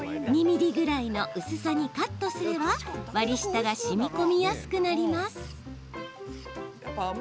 ２ミリぐらいの薄さにカットすれば割り下がしみ込みやすくなります。